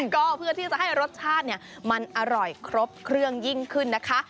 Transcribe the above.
ก็เพื่อที่จะให้รสชาติมันอร่อยครบเครื่องยิ่งขึ้นนะคะ